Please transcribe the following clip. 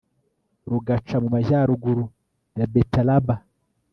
rugaca mu majyaruguru ya betaraba